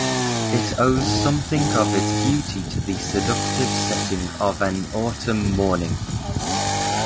It owes something of its beauty to the seductive setting of an autumn morning.